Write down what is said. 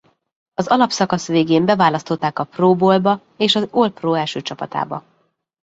Az alapszakasz végén beválasztották a Pro Bowl-ba és az All-Pro első csapatába.